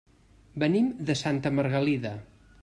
Venim de Santa Margalida.